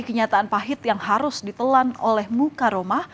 kenyataan pahit yang harus ditelan oleh muka romah